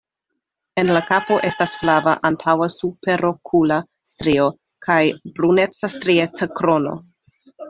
En kapo estas flava antaŭa superokula strio kaj bruneca strieca krono.